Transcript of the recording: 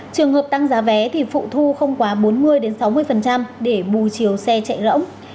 trường hợp tăng giá vé thì phụ thu không quá bốn mươi sáu mươi để bù chiều xe chạy rỗng